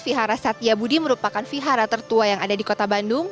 vihara satya budi merupakan vihara tertua yang ada di kota bandung